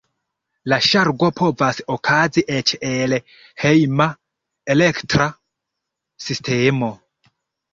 La ŝargo povas okazi eĉ el hejma elektra sistemo.